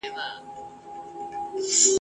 ستا له لوري نسیم راغی د زګېرویو په ګامونو !.